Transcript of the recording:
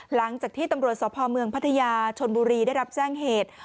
หลังจากที่ตำรวจสพเมืองพัทยาชนบุรีได้รับแจ้งเหตุ